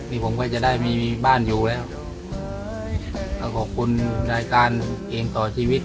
นี่ผมก็จะได้ไม่มีบ้านอยู่แล้วก็ขอบคุณรายการเกมต่อชีวิต